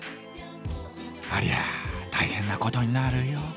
「ありゃ大変なことになるよ」。